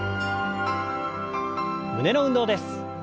胸の運動です。